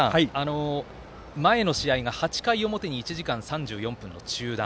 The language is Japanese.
前の試合が８回表に１時間３４分の中断。